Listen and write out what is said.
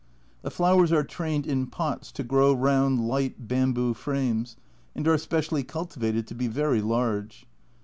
The flowers are trained in pots to grow round light bamboo frames, and are specially cultivated to be very large.